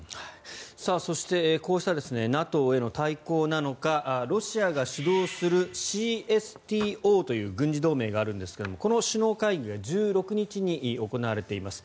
そして、こうしたＮＡＴＯへの対抗なのかロシアが主導するＣＳＴＯという軍事同盟があるんですがこの首脳会議が１６日に行われています。